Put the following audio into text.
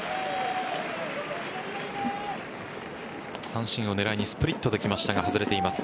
三振を狙いにスプリットできましたが外れています。